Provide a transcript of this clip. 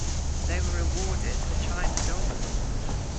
They were awarded a china doll.